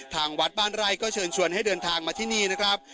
ทางวัดบ้านไร่ก็เชิญชวนให้เดินทางมาที่นี่นะครับ